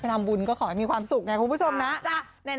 ทำบุญก็ขอให้มีความสุขไงคุณผู้ชมนะ